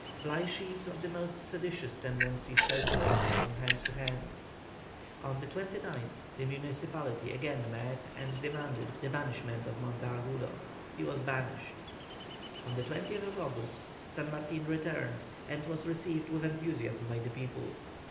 Fly sheets of the most seditious tendency circulated from hand to hand. On the 29th the municipality again met and demanded the banishment of Monteagudo. He was banished. On the 20th August San Martin returned, and was received with enthusiasm by the people.